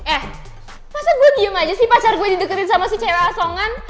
eh masa gue diem aja sih pacar gue didekin sama si cewek asongan